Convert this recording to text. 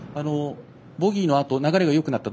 ボギーのあと流れがよくなったと。